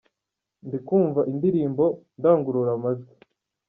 Ndikumva indirimbo mu ndangurura majwi.